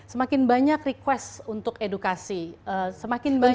semakin banyak request untuk edukasi semakin banyak